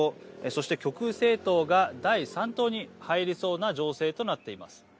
そして極右政党が第３党に入りそうな情勢となっています。